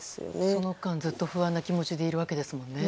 その間、ずっと不安な気持ちでいるんですもんね。